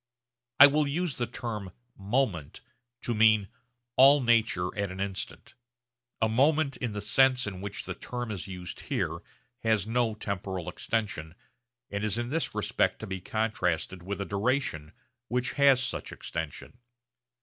I will use the term 'moment' to mean 'all nature at an instant.' A moment, in the sense in which the term is here used, has no temporal extension, and is in this respect to be contrasted with a duration which has such extension.